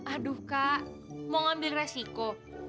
aduh kak mau ngambil resiko